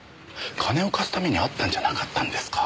金を貸すために会ったんじゃなかったんですか？